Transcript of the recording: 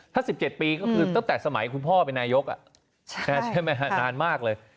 ถ้า๑๗ปีก็คือตั้งแต่สมัยคุณพ่อเป็นนายกใช่ไหมฮะนานมากเลย